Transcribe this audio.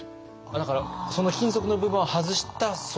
だからその金属の部分を外したその。